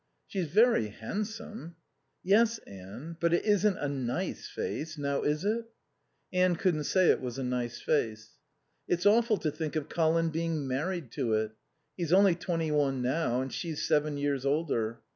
"She's very handsome." "Yes, Anne. But it isn't a nice face. Now, is it?" Anne couldn't say it was a nice face. "It's awful to think of Colin being married to it. He's only twenty one now, and she's seven years older.